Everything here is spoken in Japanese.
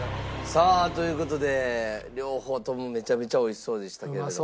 さあという事で両方ともめちゃめちゃおいしそうでしたけれども。